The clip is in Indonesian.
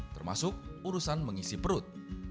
termasuk urusan mengisi perut